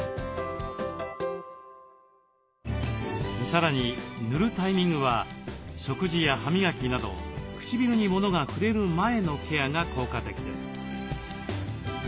さらに塗るタイミングは食事や歯磨きなど唇にものが触れる前のケアが効果的です。